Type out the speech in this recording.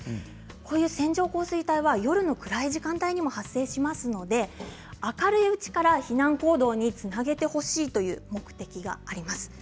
こういう線状降水帯は夜の暗い時間帯にも発生しますので明るいうちから避難行動につなげてほしいという目的があります。